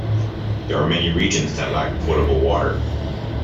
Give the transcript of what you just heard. There are many regions that lack potable water.